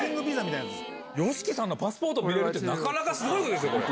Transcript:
ＹＯＳＨＩＫＩさんのパスポート見れるって、なかなかすごいことですよ、これ。